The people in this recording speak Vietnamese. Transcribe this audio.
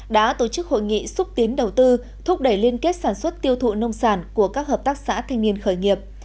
đã tổ chức hội nghị xúc tiến đầu tư thúc đẩy liên kết sản xuất tiêu thụ nông sản của các hợp tác xã thanh niên khởi nghiệp